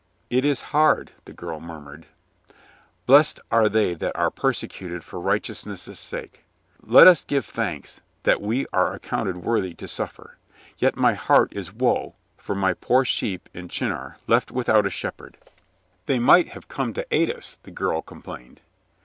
"It is hard," the girl murmured. "Blessed are they that are persecuted for right eousness' sake. Let us give thanks that we are ac counted worthy to suffer. Yet my heart is woe for my poor sheep in Chinnor left without a shepherd." 26 COLONEL GREATHEART "They might have come to aid us," the girl com plained.